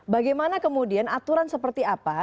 bagaimana kemudian aturan seperti apa